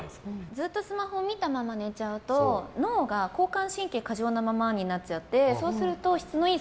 ずっとスマホを見たまま寝ちゃうと脳が交感神経過剰なままになっちゃって。